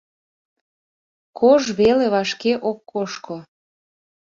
Кож веле вашке ок кошко.